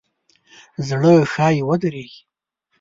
زړه ښایي ودریږي.